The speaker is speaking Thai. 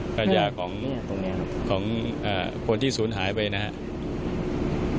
ภรรยาของคนที่ศูนย์หายไปนะครับ